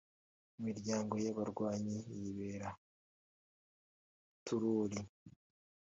Imiryango y’aba barwanyi yibera mu tururi